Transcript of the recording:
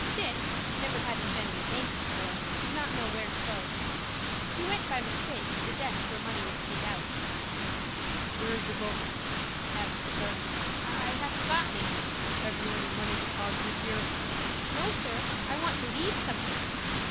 Dick, never having been in a bank before, did not know where to go. He went, by mistake, to the desk where money was paid out. "Where's your book?" asked the clerk. "I haven't got any." "Have you any money deposited here?" "No, sir, I want to leave some here."